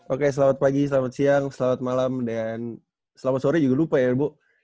oke selamat pagi selamat siang selamat malam dan selamat sore juga lupa ya bu